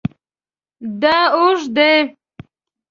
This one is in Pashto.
دا اوږد دی